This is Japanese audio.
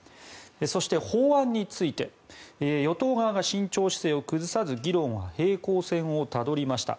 そして法案について与党側が慎重姿勢を崩さず議論は平行線をたどりました。